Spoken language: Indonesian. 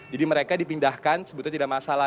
jadi mereka dipindahkan sebetulnya tidak masalah